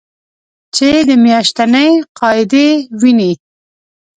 چې د میاشتنۍ قاعدې وینې